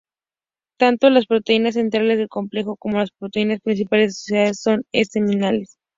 Tanto las proteínas centrales del complejo como las dos proteínas principales asociadas son esenciales.